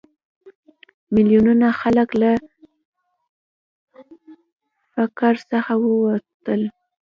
میلیونونه خلک له فقر څخه ووتل.